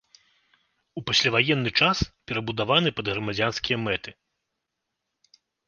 У пасляваенны час перабудаваны пад грамадзянскія мэты.